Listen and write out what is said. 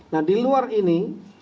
nah di luar ini